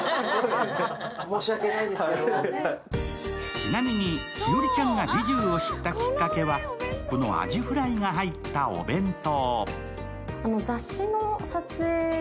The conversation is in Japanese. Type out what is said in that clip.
ちなみに、栞里ちゃんが美寿を知ったきっかけは、こおアジフライが入ったお弁当。